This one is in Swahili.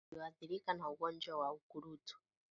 Wanyama walioathirika na ugonjwa wa ukurutu